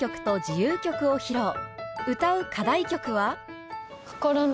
歌う課題曲は？